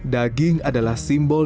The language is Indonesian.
daging adalah simbol